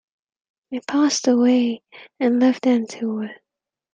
I passed away and left them to it.